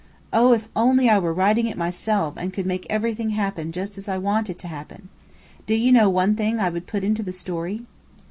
Oh, if only I were writing it myself and could make everything happen just as I want it to happen! Do you know one thing I would put into the story?"